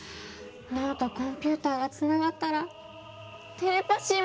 脳とコンピューターがつながったらテレパシーもできちゃったりして。